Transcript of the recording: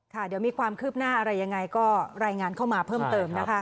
ค่ะเดี๋ยวมีความคืบหน้าอะไรยังไงก็รายงานเข้ามาเพิ่มเติมนะคะ